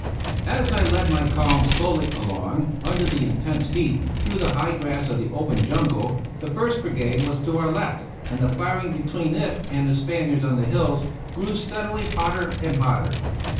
As I led my column slowly along, under the intense heat, through the high grass of the open jungle, the First Brigade was to our left, and the firing between it and the Spaniards on the hills grew steadily hotter and hotter.